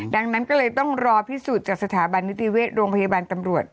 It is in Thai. ดังนั้นก็เลยต้องรอพิสูจน์จากสถาบันนิติเวชโรงพยาบาลตำรวจ